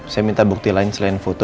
saya minta bukti lain selain foto